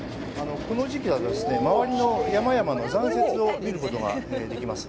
この時期はですね、周りの山々の残雪を見ることができます。